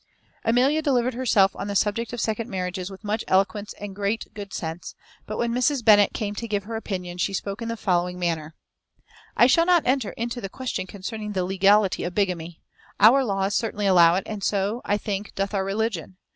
Amelia delivered herself on the subject of second marriages with much eloquence and great good sense; but when Mrs. Bennet came to give her opinion she spoke in the following manner: "I shall not enter into the question concerning the legality of bigamy. Our laws certainly allow it, and so, I think, doth our religion.